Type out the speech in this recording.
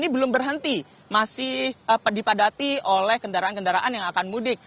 ini belum berhenti masih dipadati oleh kendaraan kendaraan yang akan mudik